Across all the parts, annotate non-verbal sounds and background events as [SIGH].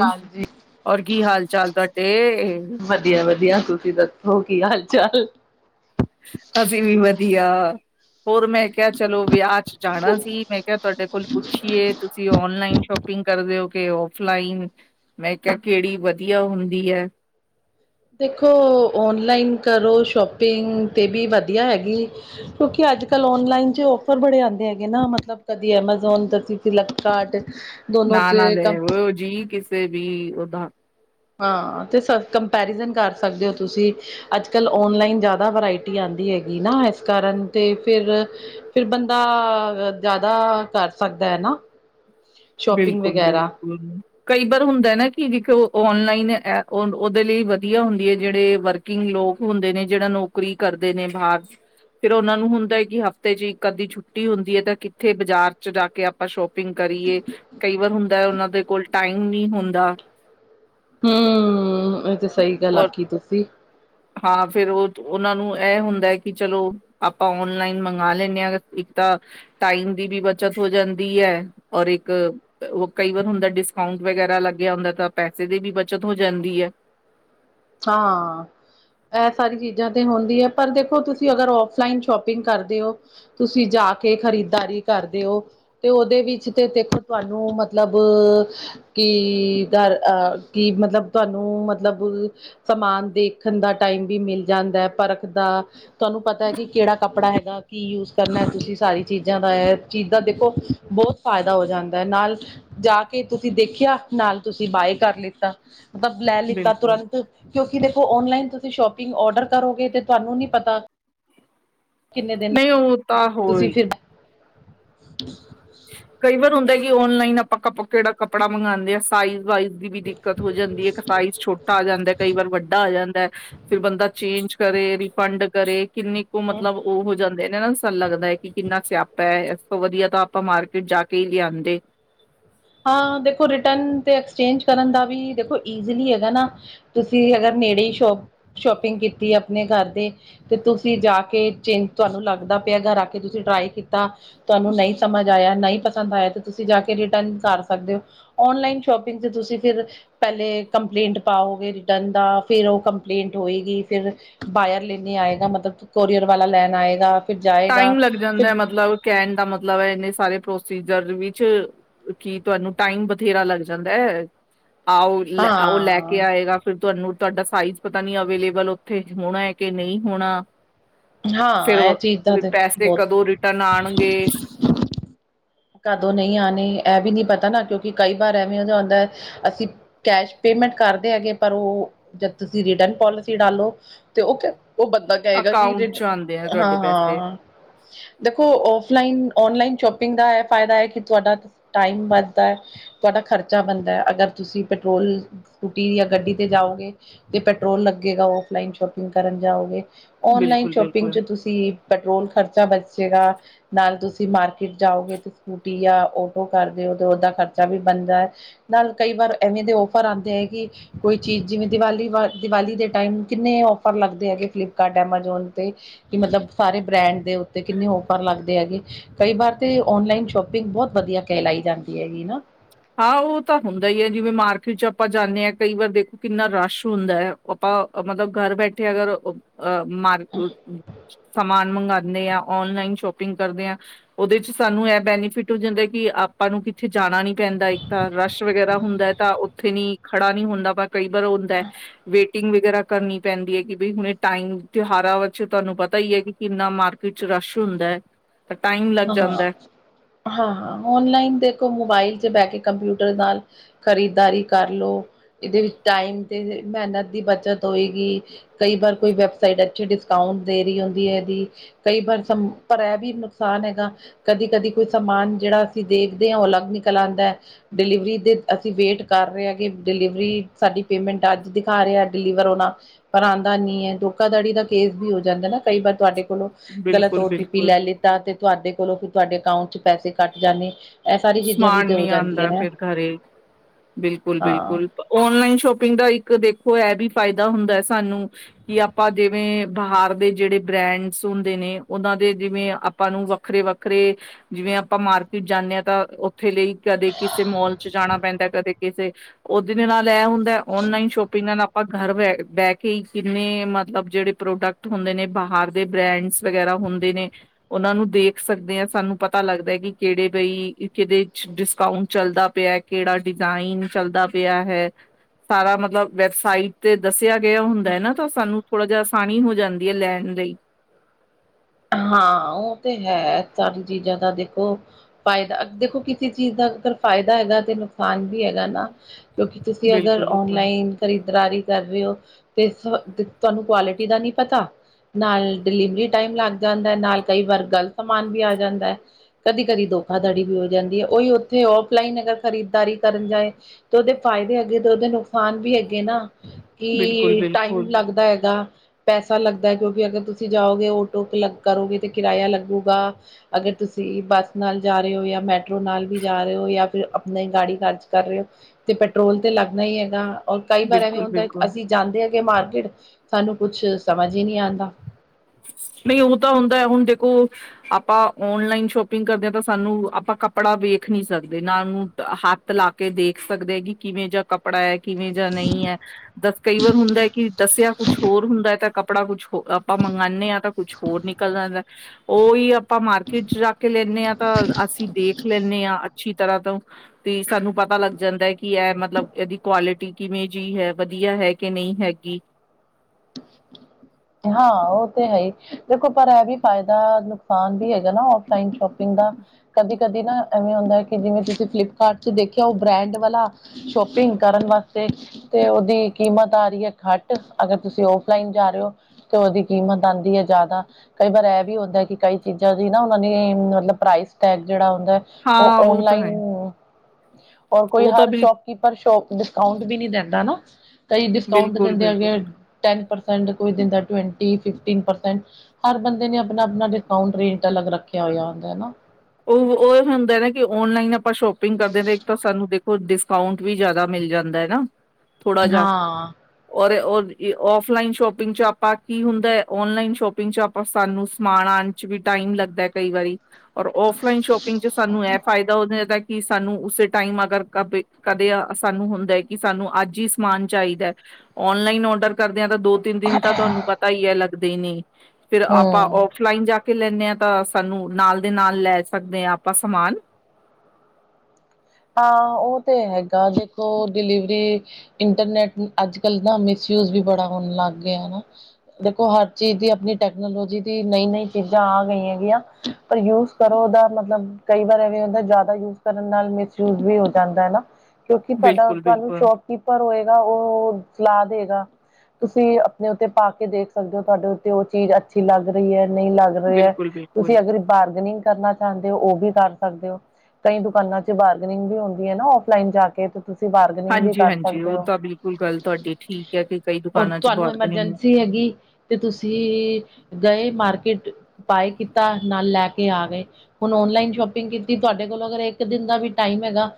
ਹਾਂਜੀ ਔਰ ਕੀ ਹਾਲ ਚਾਲ ਤੁਹਾਡੇ। ਵਧੀਆ ਵਧੀਆ ਤੁਸੀਂ ਦੱਸੋ ਕੀ ਹਾਲ ਚਾਲ। ਅਸੀਂ ਵੀ ਵਧੀਆ ਹੋਰ ਮੈਂ ਕਿਹਾ ਚਲੋ ਵਿਆਹ 'ਚ ਜਾਣਾ ਸੀ। ਮੈਂ ਕਿਹਾ ਤੁਹਾਡੇ ਕੋਲ ਪੁ ਪੁੱਛੀਏ ਤੁਸੀਂ ਓਨਲਾਈਨ ਸ਼ੋਪਿੰਗ ਕਰਦੇ ੳ ਕੇ ਔਫਲਾਈਨ। ਮੈਂ ਕਿਹਾ ਕੇੜੀ ਵਧੀਆ ਹੁੰਦੀ ੲੈ। ਦੇਖੋ ਔਨਲਾਈਨ ਕਰੋ ਸ਼ੋਪਿੰਗ ਤੇ ਵੀ ਵਧੀਆ ਹੈਗੀ। ਕਿਉਂਕਿ ਅੱਜ ਕੱਲ੍ਹ ਔਨਲਾਈਨ 'ਚ ਔਫਰ ਬੜੇ ਆਉਂਦੇ ਹੈਗੇ ਨਾ ਮਤਲਬ ਕਦੀ ਐਮਾਜ਼ੋਨ, ਕਦੀ ਫਲੀਪਕਾਰਟ ਨਾ ਨਾ ਲੋ ਹੋ ਜੀ ਕਿਸੇ ਵੀ ਉਹਦਾ। ਹਾਂ ਤੇ ਸਕੰਪੈਰੀਜ਼ਨ ਕਰ ਸਕਦੇ ੳ ਤੁਸੀਂ। ਅੱਜ ਕੱਲ੍ਹ ਔਨਲਾਈਨ ਜ਼ਿਆਦਾ ਵਰਾਇਟੀ ਆਂਦੀ ਹੈਗੀ ਨਾ, ਇਸ ਕਾਰਨ ਤੇ ਫਿਰ ਫਿਰ ਬੰਦਾ ਜ਼ਿਆਦਾ ਕਰ ਸਕਦਾ ਏ ਨਾ। ਸ਼ੋਪਿੰਗ ਬਿਲਕੁਲ ਵਗੈਰਾ ਬਿਲਕੁਲ। ਕਈ ਵਾਰ ਹੁੰਦਾ ਏ ਨਾ ਕਿ ਦੇਖੋ ਉਹ ਔਨਲਾਈਨ ੲੈ ੳ ਉਹਦੇ ਲਈ ਵਧੀਆ ਹੁੰਦੀ ਏ ਜਿਹੜੇ ਵਰਕ ਕਿੰਗ ਲੋਕ ਹੁੰਦੇ ਨੇ ਜਿਹੜਾ ਨੌਕਰੀ ਕਰਦੇ ਨੇ ਬਾਹਰ। ਫੇਰ ਉਹਨਾ ਨੂੰ ਹੁੰਦਾ ਏ, ਕਿ ਹਫ਼ਤੇ 'ਚ ਇੱਕ ਅੱਧੀ ਛੁੱਟੀ ਹੁੰਦੀ ਏ ਤਾਂ ਕਿੱਥੇ ਬਾਜ਼ਾਰ 'ਚ ਜਾ ਕੇ ਅ। ਆਪਾਂ ਸ਼ੋਪਿੰਗ ਕਰੀਏ। ਕਈ ਵਾਰ ਹੁੰਦਾ ਉਹਨਾਂ ਦੇ ਕੋਲ ਟਾਈਮ ਨਹੀਂ ਹੁੰਦਾ। ਹੂੰ! ਇਹ ਤੇ ਸਹੀ ਗੱਲ ਆਖੀ ਤੁਸੀਂ। ਹਾਂ ਫੇਰ ਉਹ ਉਹਨਾਂ ਨੂੰ ਇਹ ਹੁੰਦਾ ਏ ਕਿ ਚਲੋ। ਆਪਾਂ ਔਨਲਾਈਨ ਮੰਗਵਾ ਲੈਂਨੇ ਆਂ, ਅਗਰ ਇੱਕ ਤਾਂ ਟਾਈਮ ਦੀ ਵੀ ਬੱਚਤ ਹੋ ਜਾਂਦੀ ੲੈ। ਔਰ ਇੱਕ ਉਹ ਕਈ ਵਾਰ ਹੁੰਦਾ ਡਿਸਕਾਊਂਟ ਵਗੈਰਾ ਲੱਗਿਆ ਹੁੰਦਾ ਤਾਂ, ਪੈਸੇ ਦੀ ਵੀ ਬਚਤ ਹੋ ਜਾਂਦੀ ਏ। ਹਾਂ। ਐ ਸਾਰੀ ਚੀਜ਼ਾਂ ਤੇ ਹੁੰਦੀ ਏ। ਪਰ ਦੇਖੋ ਤੁਸੀਂ ਅਗਰ ਔਫਲਾਈਨ ਸ਼ੋਪਿੰਗ ਕਰਦੇ ਉ ਤੁਸੀਂ ਜਾ ਕੇ ਖਰੀਦਦਾਰੀ ਕਰਦੇ ਉ ਤੇ ਉਹਦੇ ਵਿੱਚ ਤੇ ਦੇਖੋ ਤੁਹਾਨੂੰ ਮਤਲਬ ਕਿ ਕਰ ਅਹ ਕਿ ਮਤਲਬ ਤੁਹਾਨੂੰ ਮਤਲਬ ਸਮਾਨ ਦੇਖਣ ਦਾ ਟਾਈਮ ਵੀ ਮਿਲ ਜਾਂਦਾ ਏ ਪਰਖਦਾ ਤੁਹਾਨੂੰ ਪਤਾ ਹੈ‌ ਕਿ ਕਿਹੜਾ ਕੱਪੜਾ ਹੈਗਾ ਕੀ ਯੂਜ ਕਰਨਾ ਤੁਸੀਂ ਸਾਰੀ ਚੀਜ਼ਾਂ ਦਾ ਇਹ ਚੀਜ਼ ਦਾ ਦੇਖੋ ਬੋਤ ਫ਼ਾਇਦਾ ਹੋ ਜਾਂਦੈ। ਨਾਲ ਜਾ ਕੇ ਤੁਸੀਂ ਦੇਖਿਆ ਨਾਲ ਤੁਸੀਂ ਬਾਏ ਕਰ ਲਿੱਤਾ। ਬਸ ਲੈ ਲਿੱਤਾ ਬਿਲਕੁਲ ਤੁਰੰਤ। ਕਿਉਂਕਿ ਦੇਖੋ ਓਨਲਾਈਨ ਤੁਸੀਂ ਸ਼ੋਪਿੰਗ ਓਡਰ ਕਰੋਗੇ ਤੇ, ਤੁਹਾਨੂੰ ਨੀ ਪਤਾ ਕਿੰਨੇ ਦਿਨ ਨਹੀਂ ਉਹ ਤਾਂ ਤੁਸੀਂ ਹੋਈ ਫਿਰ [INAUDIBLE] ਕਈ ਵਾਰ ਹੁੰਦਾ ਕਿ ਔਨਲਾਈਨ ਆਪਾਂ ਕਪ ਕਿਹੜਾ ਕੱਪੜਾ ਮੰਗਾਉਂਦੇ ਆ ਸਾਈਜ਼ ਵਾਈਜ਼ ਦੀ ਵੀ ਦਿੱਕਤ ਹੋ ਜਾਂਦੀ ਏ, ਇੱਕ ਸਾਈਜ਼ ਛੋਟਾ ਆ ਜਾਂਦੈ ਕਈ ਵਾਰ ਵੱਡਾ ਆ ਜਾਂਦੈ। ਫਿਰ ਬੰਦਾ ਚੇਂਜ ਕਰੇ ਰੀਫੰਡ ਕਰੇ ਕਿੰਨੀ ਕੁ ਮਤਲਬ ਉਹ ਹੋ ਜਾਂਦੇ ਨੇ ਸਾਨ ਲੱਗਦਾ ਏ ਕਿ ਕਿੰਨਾ ਸਿਆਪਾ ੲੈ, ਇਸ ਤੋਂ ਵਧੀਆ ਤਾਂ ਆਪਾਂ ਮਾਰਕੀਟ ਜਾ ਕੇ ਹੀ ਲਿਆਂਦੇ। ਹਾਂ ਦੇਖੋ ਰਿਟਰਨ ਤੇ ਐਕਸਚੇਂਜ ਕਰਨ ਦਾ ਵੀ ਦੇਖੋ ਈਜ਼ਲੀ ਹੈਗੈ ਨਾ। ਤੁਸੀ ਅਗਰ ਨੇੜੇ ਹੀ ਸ਼ੋਪ ਸ਼ੋਪਿੰਗ ਕੀਤੀ ਐ ਆਪਣੇ ਘਰ ਦੇ ਫੇਰ ਤੁਸੀ ਜਾ ਕੇ ਚੇਂਜ ਤੁਆਨੂੰ ਲੱਗਦਾ ਪਿਐ ਘਰ ਆ ਕੇ ਤੁਸੀ ਟ੍ਰਾਈ ਕੀਤਾ ਤੁਆਨੂੰ ਨਈ ਸਮਝ ਆਇਆ ਨਈ ਪਸੰਦ ਆਇਆ ਤੇ ਤੁਸੀ ਜਾ ਕੇ ਰਿਟਰਨ ਕਰ ਸਕਦੇ ਓ। ਓਨਲਾਈਨ ਸ਼ੋਪਿੰਗ 'ਚ ਤੁਸੀ ਫੇਰ ਪੈਲੇ ਕੰਪਲੇਂਟ ਪਾਓਗੇ ਰਿਟਰਨ ਦਾ ਫੇਰ ਓ ਕੰਪਲੇਂਟ ਹੋਏਗੀ ਫੇਰ ਬਾਇਰ ਲੇਨੇ ਆਏਗਾ ਮਤਲਬ ਤ ਕੋਰੀਅਰ ਵਾਲਾ ਲੈਣ ਆਏਗਾ। ਫਿਰ ਜਾਏਗਾ ਟਾਈਮ ਲੱਗ ਫਿਰ ਜਾਂਦੈਂ ਮਤਲਬ ਕੈਨ ਦਾ ਮਤਲਬ ਐ ਏਨੇ ਸਾਰੇ ਪ੍ਰੋਸੀਜ਼ਰ ਵਿੱਚ ਕੀ ਤੁਆਨੂੰ ਟਾਈਮ ਬਥੇਰਾ ਲੱਗ ਜਾਂਦੈ। ਆਓ ਲੈ ਓ ਲੈ ਕੇ ਹਾਂ ਆਏਗਾ ਫੇਰ ਤੁਆਨੂੰ ਤੁਆਡਾ ਸਾਈਜ਼ ਪਤਾ ਨੀ ਅਵੇਲੇਬਲ ਓਥੇ ਜ ਹੋਨਾ ਐ ਕਿ ਨਈ ਹੋਨਾ। ਹਾਂ ਐ ਚੀਜ ਫੇਰ ਪੈਸੇ ਕਦੋਂ ਰਿਟਰਨ ਆਣਗੇ ਕਦੋਂ ਨਈ ਆਨੇ ਐ ਵੀ ਨਈ ਪਤਾ ਨਾ ਕਿਉਂਕਿ ਕਈ ਬਾਰ ਐਵੇਂ ਦਾ ਹੁੰਂਦੈ, ਅਸੀ ਕੈਸ਼ ਪੇਮੈਂਟ ਕਰਦੇ ਹੈਗੇ ਪਰ ਓਹ ਜਦ ਤੁਸੀ ਰਿਟਰਨ ਪੋਲਿਸੀ ਡਾਲੋ ਤੇ ਓ ਕਹ ਓ ਬੰਦਾ ਕਹੇਗਾ ਕਿ ਅਕਾਊਂਟ ਰਿੱਟ, ਚ ਆਉਂਦੇ ਆ ਤੁਹਾਡੇ ਹਾਂ, ਪੈਸੇ ਹਾਂ। ਦੇਖੋ ਓਫਲਾਈਨ, ਓਨਲਾਈਨ ਸ਼ੋਪਿੰਗ ਦਾ ਐ ਫਾਇਦਾ ਐ ਕਿ ਤੁਆਡਾ ਟਾਈਮ ਬਚਦੈ। ਤੁਆਡਾ ਖਰਚਾ ਬਨਦੈ ਅਗਰ ਤੁਸੀ ਪੈਟਰੋਲ ਸਕੂਟੀ ਯਾਂ ਗੱਡੀ ਤੇ ਜਾਓਗੇ ਤੇ ਪੈਟਰੋਲ ਲੱਗੇਗਾ ਓਫਲਾਈਨ ਸ਼ੋਪਿੰਗ ਕਰਨ ਜਾਓਗੇ। ਓਨਲਾਈਨ ਬਿਲਕੁਲ ਬਿਲਕੁਲ ਸ਼ੋਪਿੰਗ 'ਚ ਤੁ ਤੀ ਪੈਟਰੋਲ ਖਰਚਾ ਬਚ ਜੇਗਾ। ਨਾਲ ਤੁਸੀ ਮਾਰਕੀਟ ਜਾਓਗੇ ਸਕੂਟੀ ਜਾਂ ਆਟੋ ਕਰਦੇ ਓ ਤੇ ਓਦਾ ਖਰਚਾ ਵੀ ਬਨਦੈ। ਨਾਲ ਕਈ ਵਾਰ ਐਵੇਂ ਦੇ ਓਫਰ ਆਂਦੇ ਐ ਕਿ ਕੋਈ ਚੀਜ਼ ਜਿਵੇਂ ਦੀਵਾਲੀ ਵਾ ਦੀਵਾਲੀ ਦੇ ਟਾਈਮ ਕਿੰਨੇ ਓਫਰ ਲੱਗਦੇ ਹੈਗੇ ਫਲਿੱਪਕਾਰਟ, ਐਮਾਜੋਨ ਤੇ ਕਿ ਮਤਲਬ ਸਾਰੇ ਬ੍ਰੈਂਡ ਦੇ ਉੱਤੇ ਕਿੰਨੇ ਓਫਰ ਲੱਗਦੇ ਹੈਗੇ। ਕਈ ਵਾਰ ਤੇ ਓਨਲਾਈਨ ਸ਼ੋਪਿੰਗ ਬੋਤ ਵਧੀਆ ਕੈਹਲਾਈ ਜਾਂਦੀ ਹੈਗੀ ਨਾ। ਹਾਂ ਓ ਤਾਂ ਹੁੰਦਾ ਈ ਏ ਜਿਵੇਂ ਮਾਰਕੀਟ 'ਚ ਆਪਾਂ ਜਾਂਨੇ ਐ ਕਈ ਵਾਰ ਦੇਖੋ ਕਿੰਨਾ ਰਸ਼ ਹੁੰਦੈ ਓ ਆਪਾਂ ਮਤਲਬ ਘਰ ਬੈਠੇ ਅਗਰ ਓ ਅ ਮਾਰ ਹ ਸਮਾਨ ਮੰਗਾਨੇ ਆ, ਓਨਲਾਈਨ ਸ਼ੋਪਿੰਗ ਕਰਦੇ ਆਂ ਓਦੇ 'ਚ ਸਾਨੂੰ ਐ ਬੈਨੀਫਿਟ ਹੋ ਜਾਂਦੈ ਕਿ ਆਪਾਂ ਨੂੰ ਕਿੱਥੇ ਜਾਣਾ ਨੀ ਪੈਂਦਾ ਇੱਕ ਤਾਂ, ਰਸ਼ ਵਗੈਰਾ ਹੁੰਦਾ ਐ ਤਾਂ ਓਥੇ ਨੀ ਖੜਾ ਨੀ ਹੁੰਦਾ ਵਾ ਕਈ ਬਾਰ ਹੁੰਦੈ ਵੇਟਿੰਗ ਵਗੈਰਾ ਕਰਨੀ ਪੈਂਦੀ ਏ ਕਿ ਬਈ ਹੁਨੇ ਟਾਈਮ ਤਿਉਹਾਰਾਂ ਵੱਚ ਤੁਆਨੂੰ ਪਤਾ ਈ ਏ ਕਿ ਕਿੰਨਾ ਮਾਰਕੀਟ 'ਚ ਰਸ਼ ਹੁੰਦੈ ਤਾਂ ਟਾਈਮ ਹਾਂ-ਹਾਂ, ਹਾਂ-ਹਾਂ ਓਨਲਾਈਨ ਦੇਖੋ ਮੋਬਾਈਲ 'ਚ ਬੈਅ ਕੇ ਕੰਪਿਊਟਰ ਨਾਲ ਖਰੀਦਾਰੀ ਕਰ ਲੋ। ਇਦੇ ਵਿੱਚ ਟਾਈਮ ਤੇ ਮਿਹਨਤ ਦੀ ਬਚਤ ਹੋਏਗੀ। ਕਈ ਬਾਰ ਕੋਈ ਵੈਬਸਾਈਟ ਅਛੀ ਡਿਸਕਾਊਂਟ ਦੇ ਰਈ ਹੁੰਦੀ ਏ ਏਦੀ। ਕਈ ਬਾਰ ਸਮ ਪਰ ਐ ਬੀ ਨੁਕਸਾਨ ਹੈਗਾ। ਕਦੀ-ਕਦੀ ਕੋਈ ਸਮਾਨ ਜੇੜਾ ਅਸੀ ਦੇਖਦੇ ਆਂ ਓ ਅਲੱਗ ਨਿਕਲ ਆਂਦੈ ਡਿਲੀਵਰੀ ਦੇ ਅਸੀ ਵੇਟ ਕਰ ਰਏ ਹੈਗੇ ਡਿਲੀਵਰੀ ਸਾਡੀ ਪੇਮੈਂਟ ਆੱਜ ਦਿਖਾ ਰਿਐ ਡਿਲੀਵਰ ਹੋਨਾ ਪਰ ਆਂਦਾ ਨੀ ਐ। ਧੋਕਾਦੜੀ ਦਾ ਕੇਸ ਵੀ ਹੋ ਜਾਂਦੈ ਨਾ ਕਈ ਬਾਰ, ਤੁਆਡੇ ਕੋਲੋਂ ਗਲਤ ਬਿਲਕੁਲ ਔ ਟੀ ਪੀ ਬਿਲਕੁਲ ਲੈ ਲਿੱ ਤਾ ਤੇ ਤੁਆਡੇ ਕੋਲੋਂ ਤੁਆਡੇ ਅਕਾਊਂਟ 'ਚ ਪੈਸੇ ਕੱਟ ਜਾਨੇ ਸਮਾਨ ਨੀ ਆਂਦਾ ਫੇਰ ਘਰੇ ਬਿਲਕੁਲ, ਹਾਂ ਬਿਲਕੁਲ। ਓਨਲਾਈਨ ਸ਼ੋਪਿੰਗ ਦਾ ਇੱਕ ਦੇਖੋ ਐ ਬੀ ਫਾਇਦਾ ਹੁੰਦੈ ਸਾਨੂੰ ਕਿ ਆਪਾਂ ਜਿਵੇਂ ਬਹਾਰ ਦੇ ਜੜੇ ਬ੍ਰੈਡਸ ਹੁੰਦੇ ਨੇ ਓਨਾਂ ਦੇ ਜਿਵੇਂ ਆਪਾਂ ਨੂੰ ਵੱਖਰੇ-ਵੱਖਰੇ ਜਿਵੇਂ ਆਪਾਂ ਮਾਰਕੀਟ ਜਾਂਨੇ ਆਂ ਤਾਂ ਓਥੇ ਲਈ ਕਦੇ ਕਿਸੇ ਮੌਲ 'ਚ ਜਾਨਾ ਪੈਂਦੈ, ਕਦੇ ਕਿਸੇ। ਓ ਦਿਨੇ ਨਾਲ ਐ ਹੁੰ ਦੈ ਓਨਲਾਈਨ ਸ਼ੋਪਿੰਗ ਐ ਨਾ ਆਪਾਂ ਘਰ ਬ ਬਹਿ ਕੇ ਹੀ ਕਿੰਨੇ ਮਤਲਬ ਜਿਹੜੇ ਪ੍ਰੋਡਕਟ ਹੁੰਦੇ ਨੇ ਬਾਹਰ ਦੇ ਬ੍ਰੈਂਡਸ ਵਗੈਰਾ ਹੁੰਦੇ ਨੇ ਉਹਨਾਂ ਨੂੰ ਦੇਖ ਸਕਦੇ ਹਾ ਸਾਨੂੰ ਪਤਾ ਲੱਗਦਾ ਕਿ ਕਿਹੜੇ ਬਈ ਵੀ ਕਿਹਦੇ 'ਚ ਡਿਸਕਾਊਂਟ ਚਲਦਾ ਪਿਆ, ਕਿਹੜਾ ਡਿਜ਼ਾਇਨ ਚਲਦਾ ਪਿਆ ਹੈ। ਸਾਰਾ ਮਤਲਬ ਵੈਬਸਾਈਟ ਤੇ ਦੱਸਿਆ ਗਿਆ ਹੁੰਦਾ ਹੈ ਨਾ, ਤਾਂ ਸਾਨੂੰ ਥੋੜਾ ਜਿਆ ਆਸਾਨੀ ਹੋ ਜਾਂਦੀ ਹੈ ਲੈਣ ਲਈ। ਹਾਂ ਉਹ ਤੇ ਹੈ, ਸਾਰੀ ਚੀਜ਼ਾਂ ਦਾ ਦੇਖੋ ਫਾਇਦਾ ਦੇਖੋ ਕਿਸੀ ਚੀਜ਼ ਦਾ ਅਗਰ ਫਾਇਦਾ ਹੈਗਾ ਤੇ ਨੁਕਸਾਨ ਵੀ ਹੈਗਾ ਨਾ। ਕਿਉਂਕਿ ਤੁਸੀਂ ਅਗਰ ਬਿਲਕੁਲ ਬਿਲਕੁਲ ਔਨਲਾਈਨ ਖਰੀਦਾਰੀ ਕਰ ਰਹੇ ਹੋ ਤੇ ਤੁਹਾਨੂੰ ਕੁਆਲਿਟੀ ਦਾ ਨੀ ਪਤਾ। ਨਾਲ ਡਿਲੀਵਰੀ ਟਾਈਮ ਲੱਗ ਜਾਂਦਾ ਹੈ, ਨਾਲ ਕਈ ਵਾਰ ਗ਼ਲਤ ਸਮਾਨ ਵੀ ਆ ਜਾਂਦਾ ਹੈ। ਕਦੀ, ਕਦੀ ਧੋਖਾਧੜੀ ਵੀ ਹੋ ਜਾਂਦੀ ਹੈ, ਉਹੀ ਉੱਥੇ ਔਫਲਾਈਨ ਅਗਰ ਖਰੀਦਦਾਰੀ ਕਰਨ ਜਾਏ। ਤੇ ਉਹਦੇ ਫਾਇਦੇ ਹੈਗੇ ਤੇ ਉਹਦੇ ਨੁਕਸਾਨ ਵੀ ਹੈਗੇ ਨਾ। ਬਿਲਕੁਲ ਕਿ ਟਾਈਮ ਬਿਲਕੁਲ ਲੱਗਦਾ ਹੈਗਾ, ਪੈਸਾ ਲੱਗਦਾ, ਕਿਉਂਕਿ ਅਗਰ ਤੁਸੀਂ ਜਾਉਗੇ ਓਟੋ ਅਲੱਗ ਕਰੋਗੇ ਤੇ ਕਿਰਾਇਆ ਲੱਗੂਗਾ। ਅਗਰ ਤੁਸੀਂ ਬੱਸ ਨਾਲ ਜਾ ਰਹੇ ਹੋ ਜਾਂ ਮੈਟਰੋ ਨਾਲ ਵੀ ਜਾ ਰਹੇ ਹੋ ਜਾਂ ਫਿਰ ਆਪਣੇ ਗਾੜੀ ਖਰਚ ਕਰ ਰਹੇ ਹੋ ਤੇ ਪੈਟਰੋਲ ਤੇ ਲੱਗਣਾ ਹੀ ਹੈਗਾ। ਔਰ ਕਈ ਵਾਰ ਐਵੇਂ ਬਿਲਕੁਲ ਹੁੰਦਾ ਬਿਲਕੁਲ ਅਸੀਂ ਜਾਂਦੇ ਹੈਗੇ ਮਾਰਕੀਟ ਸਾਨੂੰ ਕੁਛ ਸਮਝ ਹੀ ਨਹੀਂ ਆਂਦਾ। ਨਹੀਂ ਉਹ ਤਾਂ ਹੁੰਦਾ ਹੈ ਹੁਣ ਦੇਖੋ ਆਪਾਂ ਓਨਲਾਈਨ ਸ਼ੋਪਿੰਗ ਕਰਦੇ ਹਾਂ ਤਾਂ ਸਾਨੂੰ ਆਪਾਂ ਕੱਪੜਾ ਵੇਖ ਨੀ ਸਕਦੇ ਨਾਲ ਨੂੰ ਅਹਾ। ਹਾਥ ਲਾ ਕੇ ਦੇਖ ਸਕਦੇ ਏ, ਕਿ ਕਿਵੇਂ ਜਾ ਕੱਪੜਾ ਹੈ, ਕਿਵੇਂ ਜਾ ਨਹੀਂ ਹੈ। ਦਸ ਕਈ ਵਾਰ ਹੁੰਦਾ ਕਿ ਦੱਸਿਆ ਕੁਛ ਹੋਰ ਹੁੰਦਾ ਹੈ, ਤਾਂ ਕੱਪੜਾ ਕੁਛ ਹੋਰ ਆਪਾਂ ਮੰਗਵਾਉਂਦੇ ਹਾਂ ਤਾਂ ਕੁਛ ਹੋਰ ਨਿਕਲ ਜਾਂਦਾ ਉਹੀ ਆਪਾਂ ਮਾਰਕੀਟ 'ਚ ਜਾ ਕੇ ਲੈਣੇ ਹਾਂ ਤਾਂ ਅਸੀਂ ਦੇਖ ਲੈਣੇ ਹਾਂ ਅੱਛੀ ਤਰ੍ਹਾਂ ਤੋਂ ਵੀ ਸਾਨੂੰ ਪਤਾ ਲੱਗ ਜਾਂਦਾ ਹੈ, ਕਿ ਇਹ ਮਤਲਬ ਇਹਦੀ ਕੁਆਲਿਟੀ ਕਿਵੇਂ ਜਿਹੀ ਹੈ, ਵਧੀਆ ਹੈ ਕਿ ਨਹੀਂ ਹੈਗੀ। [INAUDIBLE] ਹਾਂ! ਉਹ ਤੇ ਹੈ ਹੀ, ਦੇਖੋ ਪਰ ਇਹ ਵੀ ਫਾਇਦਾ ਨੁਕਸਾਨ ਵੀ ਹੈਗਾ ਨਾ ਔਫਲਾਈਨ ਸ਼ੋਪਿੰਗ ਦਾ ਕਦੀ, ਕਦੀ ਨਾ ਐਵੇਂ ਹੁੰਦਾ ਕਿ ਜਿਵੇਂ ਤੁਸੀਂ ਫਲਿੱਪਕਾਰਟ 'ਚ ਦੇਖਿਆ ਉਹ ਬ੍ਰੈਂਡ ਵਾਲਾ ਸ਼ੋਪਿੰਗ ਕਰਨ ਵਾਸਤੇ ਤੇ ਉਹਦੀ ਕੀਮਤ ਆ ਰਹੀ ਹੈ ਘੱਟ ਅਗਰ ਤੁਸੀਂ ਔਫਲਾਈਨ ਜਾ ਰਹੇ ਹੋ ਤੋਂ ਉਹਦੀ ਕੀਮਤ ਆਉਂਦੀ ਹੈ ਜ਼ਿਆਦਾ ਕਈ ਵਾਰ ਇਹ ਵੀ ਹੁੰਦਾ ਕਿ ਕਈ ਚੀਜ਼ਾਂ ਦੀ ਨਾ ਉਹਨਾਂ ਨੇ ਮਤਲਬ ਪ੍ਰਾਈਸ ਟੈਕ ਜਿਹੜਾ ਹੁੰਦਾ ਏ ਉਹ ਹਾਂ ਤਾਂ ਹੈ ਔਨਲਾਈਨ। ਔਰ ਕੋਈ ਉਹ ਤਾਂ ਹਰ ਬਿਲ ਸ਼ੋਪਕੀਪਰ ਸੋਂਪ ਡਿਸਕਾਊਂਟ ਵੀ ਨੀ ਦਿੰਦਾ ਨਾ। ਕਈ ਡਿਸਕਾਊਂਟ ਬਿਲਕੁਲ ਦਿੰਦੇ ਹੈਗੇ ਬਿਲਕੁਲ ਟੈਨ ਪਰਸੈਂਟ, ਕੋਈ ਦਿੰਦਾ ਟਵੈਂਟੀ- ਫਿਫਟੀਨ ਪਰਸੈਂਟ ਹਰ ਬੰਦੇ ਨੇ ਅਪਣਾ- ਅਪਣਾ ਡਿਸਕਾਊਟ ਰੇਟ ਅਲੱਗ ਰੱਖਿਆ ਹੋਇਆ ਹੁੰਦਾ ਹੈ ਨਾ। ਉਹ- ਉਹ ਹੁੰਦਾ ਨਾ ਕਿ ਔਨਲਾਈਨ ਆਪਾਂ ਸ਼ੋਪਿੰਗ ਕਰਦੇ ਰਹੇ ਇੱਕ ਤਾਂ ਸਾਨੂੰ ਦੇਖੋ ਡਿਸਕਾਊਂਟ ਵੀ ਜਿਆਦਾ ਮਿਲ ਜਾਂਦਾ ਹੈ ਨਾ ਥੋੜਾ ਜਾ ਹਾਂ ਔਰ ਔਫਲਾਈਨ ਸ਼ੋਪਿੰਗ 'ਚ ਆਪਾਂ ਕੀ ਹੁੰਦਾ ਹੈ ਔਨਲਾਈਨ ਸ਼ੋਪਿੰਗ 'ਚ ਆ ਪਰ ਸਾਨੂੰ ਸਮਾਨ ਆਉਣ 'ਚ ਵੀ ਟਾਈਮ ਲੱਗਦਾ ਕਈ ਵਾਰੀ ਔਰ ਉਫਲਾਈਨ ਸ਼ੋਪਿੰਗ 'ਚ ਸਾਨੂੰ ਇਹ ਫਾਇ ਦਾ ਹੋ ਜਾਂਦਾ ਕਿ ਸਾਨੂੰ ਉਸੇ ਟਾਈਮ ਅਗਰ ਕਦੇ ਸਾਨੂੰ ਹੁੰਦਾ ਹੈ ਕਿ ਸਾਨੂੰ ਅੱਜ ਹੀ ਸਮਾਨ ਚਾਹੀਦਾ ਏ ਔਨਲਾਈਨ ਔਡਰ ਕਰਦੇ ਹਾਂ ਤਾਂ ਦੋ- ਤਿੰਨ ਦਿਨ ਤਾਂ ਤੁਹਾਨੂੰ ਪਤਾ ਹੀ ਏ ਲੱਗਦਾ ਹੀ ਨੇ ਫੇਰ ਆਪਾਂ ਹਮ ਓਫਲਾਈਨ ਜਾ ਕੇ ਲੈਣੇ ਹਾਂ ਤਾਂ ਸਾਨੂੰ ਨਾਲ ਦੇ ਨਾਲ ਲੈ ਸਕਦੇ ਹਾਂ ਆਪਾਂ ਸਮਾਨ ਹਾਂ ਉਹ ਤੇ ਹੈਗਾ ਦੇਖੋ ਡਲੀਵਰੀ ਇੰਟਰਨੈਟ ਅੱਜ- ਕੱਲ ਨਾ ਮਿਸਯੂਜ ਵੀ ਬੜਾ ਹੋਣ ਲੱਗ ਗਿਆ ਹੈ ਨਾ। ਦੇਖੋ ਹਰ ਚੀਜ਼ ਦੀ ਆਪਣੀ ਟੈਕਨੋਲੋਜੀ ਦੀ ਨਈ, ਨਈਂ ਚੀਜ਼ਾਂ ਆ ਗਈਆਂ ਹੈਗੀਆਂ। ਪਰ ਯੂਜ ਕਰੋ ਉਹਦਾ ਮਤਲਬ ਕਈ ਵਾਰ ਐਵੇਂ ਹੁੰਦਾ ਜ਼ਿਆਦਾ ਯੂਜ ਕਰਨ ਨਾਲ ਮਿ ਯੂਜ ਵੀ ਹੋ ਜਾਂਦਾ ਹੈ ਨਾ ਕਿਉਂਕਿ ਤੁਹਾਡਾ ਬਿਲਕੁਲ, ਤੁਹਾਨੂੰ ਬਿਲਕੁਲ, ਸ਼ੋਪ ਕਿਪਰ ਹੋਏਗਾ, ਉਹ ਚਲਾ ਦੇਗਾ। ਤੁਸੀਂ ਆਪਣੇ ਉੱਤੇ ਪਾ ਕੇ ਦੇਖ ਸਕਦੇ ਹੋ ਤੁਹਾਡੇ ਉੱਤੇ ਉਹ ਚੀਜ਼ ਅੱਛੀ ਲੱਗ ਰਹੀ ਹੈ, ਨਹੀਂ ਲੱਗ ਰਹੇ ਹੈ ਬਿਲਕੁਲ, ਤੁਸੀਂ ਬਿਲਕੁਲ। ਅਗਰ ਬਾਰਗਨਿੰਗ ਕਰਨਾ ਚਾਹੁੰਦੇ ਹੋ ਉਹ ਵੀ ਕਰ ਸਕਦੇ ਹੋ ਕਈ ਦੁਕਾਨਾਂ ਚ ਬਾਰ ਗਨਿੰਗ ਵੀ ਹੁੰਦੀ ਹ ਨਾ ਆਫਲਾਈਨ ਜਾ ਕੇ ਤੁਸੀਂ ਬਾਰਗਨਿੰਗ ਵੀ ਹਾਂਜੀ, ਕਰ ਹਾਂਜੀ ਸਕਦੇ ਉਹ ਹੋ ਤਾਂ ਬਿਲਕੁਲ ਗੱਲ ਤੁਹਾਡੀ ਠੀਕ ਹੈ ਕਿ ਕਈ ਦੁਕਾਨਾਂ 'ਚ ਤੁਹਾਨੂੰ ਬੋਰਡ ਨੇ ਐਮਰਜੈਂਸੀ ਹੈਗੀ, ਤੇ ਤੁਸੀਂ ਗਏ ਮਾਰਕੀਟ ਬਾਏ ਕੀਤਾ ਨਾਲ ਲੈ ਕੇ ਆ ਗਏ ਹੁਣ ਔਨਲਾਈਨ ਸ਼ੋਪਿੰਗ ਕੀਤੀ ਤੁਹਾਡੇ ਕੋਲੋਂ ਅਗਰ ਇੱਕ ਦਿਨ ਦਾ ਵੀ ਟਾਈਮ ਹੈਗਾ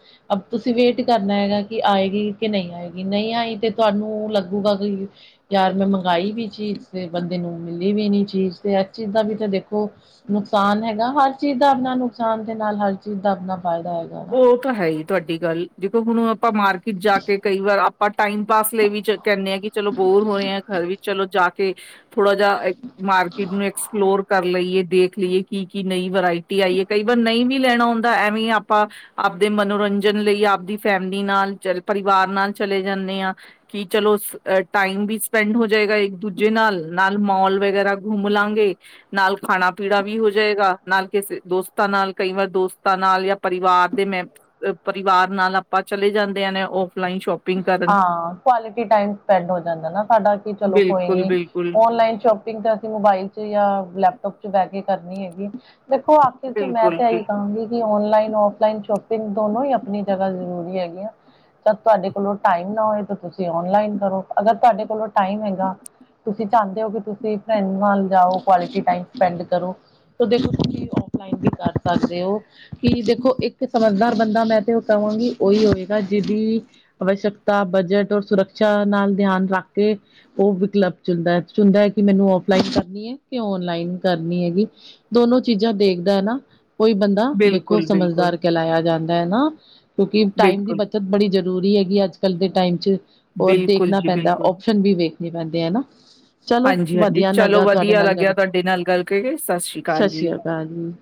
ਤੁਸੀਂ ਵੇਟ ਕਰਨਾ ਹੈਗਾ, ਕਿ ਆਏਗੀ ਕਿ ਨਹੀਂ ਆਏਗੀ ਨਹੀਂ ਆਈ ਤੇ ਤੁਹਾਨੂੰ ਲੱਗੂਗਾ ਕਿ ਯਾਰ ਮੈਂ ਮੰਗਾਈ, ਵੀ ਚੀਜ਼ ਅਤੇ ਬੰਦੇ ਨੂੰ ਮਿਲੀ ਵੀ ਨਹੀਂ, ਚੀਜ਼ ਅਤੇ ਇਸ ਚੀਜ਼ ਦਾ ਵੀ ਤਾਂ ਦੇਖੋ ਨੁਕਸਾਨ ਹੈਗਾ। ਹਰ ਚੀਜ਼ ਦਾ ਆਪਣਾ ਨੁਕਸਾਨ ਦੇ ਨਾਲ ਹਰ ਚੀਜ਼ ਦਾ ਆਪਣਾ ਫਾਇਦਾ ਹੈਗਾ ਨਾ ਉਹ ਤਾਂ ਹੈ ਹੀ ਤੁਹਾਡੀ ਗੱਲ, ਦੇਖੋ ਹੁਣ ਆਪਾਂ, ਮਾਰਕੀਟ ਜਾ ਕੇ ਕਈਵਾਰ ਆਪਾਂ ਟਾਈਮ ਪਾਸ ਲਈ ਵੀ ਕਹਿੰਦੇ ਆਾਂ, ਕਿ ਚਲੋ ਬੋਰ ਹੋ ਰਹੇ ਆ ਘਰ ਵਿੱਚ ਚਲੋ ਜਾ ਕੇ ਥੋੜਾ, ਜਾ ਮਾਰਕੀਟ ਨੂੰ ਐਕਸਪਲੋਰ ਕਰ ਲਈਏ, ਦੇਖ ਲਈਏ ਕੀ ਕੀ ਨਵੀਂ ਵਰਾਇਟੀ ਆਈ ਏ ਕਈ ਵਾਰ ਨਈ ਵੀ ਲੈਣਾ ਹੁੰਦਾ ਐਵੇਂ ਆਪਾਂ ਆਪਦੇ ਮਨੋਰੰਜਨ ਲਈ, ਆਪਦੀ ਫੈਮਿਲੀ ਨਾਲ ਚਲ ਪਰਿਵਾਰ ਨਾਲ ਚਲੇ ਜਾਂਦੇ ਹਾਂ। ਕਿ ਚਲੋ ਟਾਈਮ ਵੀ ਸਪੈਂਡ ਹੋ ਜਾਏਗਾ ਇੱਕ ਦੂਜੇ ਨਾਲ, ਮੋਲ ਵਗੈਰਾ ਘੁੰਮ ਲਾਂਗੇ। ਨਾਲ ਖਾਣਾ ਪੀਣਾ ਵੀ ਹੋ ਜਾਏਗਾ, ਨਾਲ ਕਈ ਵਾਰ ਦੋਸਤਾਂ ਨਾਲ ਜਾਂ ਪਰਿਵਾਰ ਦੇ ਮੈਮ ਪਰਿਵਾਰ ਨਾਲ ਆਪਾਂ, ਚਲੇ ਜਾਂਦੇ ਆ ਨੇ ਔਫਲਾਈਨ ਸ਼ੋਪ ਹਾਂ ਕੁਆਲਿਟੀ ਟਾਈਮ ਸਪੈਂਡ ਹੋ ਜਾਂਦਾ ਨਾ ਸਾਡਾ, ਕਿ ਚਲੋ ਕੋਈ ਬਿਲਕੁਲ ਨੀ ਬਿਲਕੁਲ ਓਨਲਾਈਨ ਸ਼ੋਪਗ ਅਸੀਂ, ਮੋਬਾਈਲ ਚ ਜਾਂ ਲੈਪਟਾਪ ਚ ਬਹਿ ਕੇ ਕਰਨੀ ਹੈਗੀ। ਵੇਖੋ ਆਖਿਰ ਚ ਮੈਂ ਬਿਲਕੁਲ ਤੇ ਜੀ ਇਹੀ ਕਹਾਂਗੀ ਔਨਲਾਈਨ, ਔਫਲਾਈਨ ਸ਼ੋਪਿੰਗ ਦੋਨੋ ਹੀ ਆਪਣੀ ਜਗ੍ਹਾ ਜ਼ਰੂਰੀ ਹੈਗੀੀਆਂ ਤਾਂ ਤੁਹਾਡੇ ਕੋਲੋਂ ਟਾਈਮ ਨਾ ਹੋਏ ਤਾਂ ਤੁਸੀਂ ਔਨਲਾਈਨ ਕਰੋ, ਅਗਰ ਤੁਹਾਡੇ ਕੋਲੋਂ ਟਾਈਮ ਹੈਗਾ ਤੁਸੀਂ ਚਾਹੁੰਦੇ ਹੋ ਕਿ ਤੁਸੀਂ ਫਰਡ ਨਾਲ ਜਾਓ, ਕੁਆਲਿਟੀ ਟੈਮ ਸਪੈਂਡ ਕਰੋ। ਦੇਖੋ ਤੁਸੀਂ ਓਫਲਾਈਨ ਵੀ ਕਰ ਸਕਦੇ ਹੋ। ਕਿ ਦੇਖੋ ਇੱਕ ਸਮਝਦਾਰ ਬੰਦਾ ਮੈਂ ਤੇ, ਉਹ ਕਹਾਂਗੀ ਉਹੀ ਹੋਏਗਾ ਜਿਹਦੀ ਅਵਸ਼ਕਤਾ, ਬਜਟ ਔਰ ਸੁਰੱਖਿਆ ਨਾਲ ਧਿਆਨ ਰੱਖ ਕੇ ਉਹ ਵਿਕ ਕਲੱਬ ਚ ਚੁੰਦਾ ਚੁੰਦਾ ਹੈ ਕਿ ਮੈਨੂੰ ਫਲਾਈਨ ਕਰਨੀ ਹੈ, ਕਿ ਓਨਲਾਈਨ ਕਰਨੀ ਹੈਗੀ। ਦੋਨੋ ਚੀਜ਼ਾਂ ਦੇਖਦਾ ਹੈ ਨਾ ਕੋਈ ਬੰਦਾ ਦੇਖੋ ਬਿਲਕੁਲ ਬਿਲਕੁਲ ਸਮਝਦਾਰ ਕਹਿਲਾਇਆ ਜਾਂਦਾ ਹੈ ਨਾ ਕਿਉਂਕਿ ਟਾਈਮ ਦੀ ਬਿਲਕੁਲ ਬੱਚਤ ਬੜੀ ਜ਼ਰੂਰੀ ਹੈਗੀ, ਅੱਜ ਕੱਲ ਦੇ ਟਾਈਮ ਚ ਰ ਬਿਲਕੁਲ ਦੇਖਣਾ ਜੀ ਪੈਂਦਾ ਬਿਲਕੁਲ ਵੀ ਵੇਖਣੇ ਪੈਂਦੇ ਆ ਨਾ ਚਲੋ ਹਾਂਜੀ ਹਾਂਜੀ ਵਧੀਆ ਚਲੋ ਲੱਗਾ, ਤੁਹਾਡੇ ਵਧੀਆ ਨਾਲ ਲੱਗਿਆ ਗੱਲ ਤੁਹਾਡੇ ਨਾਲ ਗੱਲ ਕਰਕੇ ਸਤਿ ਸ੍ਰੀ ਅਕਾਲ ਸਤਿ ਜੀ ਸ੍ਰੀ ਅਕਾਲ ਜੀ।